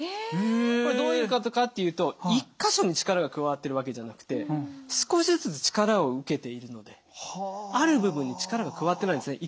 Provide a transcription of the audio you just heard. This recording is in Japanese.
これどういうことかっていうと１か所に力が加わってるわけじゃなくて少しずつ力を受けているのである部分に力が加わってないんですね